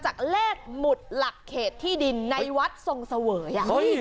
จากเลขหมุดหลักเขตที่ดินในวัดทรงเสวย